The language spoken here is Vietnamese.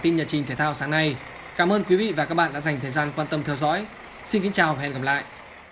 xin chào và hẹn gặp lại